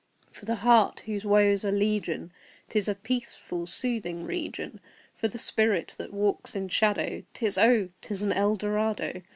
For the heart whose woes are legion 'Tis a peaceful, soothing region For the spirit that walks in shadow 'Tis oh, 'tis an Eldorado!